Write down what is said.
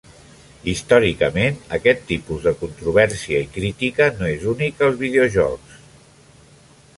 Històricament, aquest tipus de controvèrsia i crítica no és únic als videojocs.